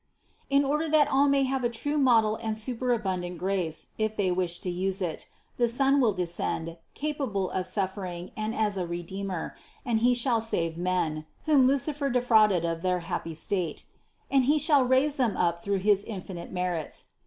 THE CONCEPTION 111 113. "In order that all may have a true model and superabundant grace, if they wish to use it, the Son will descend, capable of suffering and as a Redeemer, and He shall save men (whom Lucifer defrauded of their happy state) ; and He shall raise them up through his infinite merits.